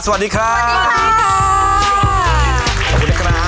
สวัสดีครับ